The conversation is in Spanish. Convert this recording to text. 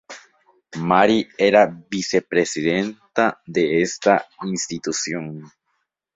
Mary era Vicepresidenta de esta institución.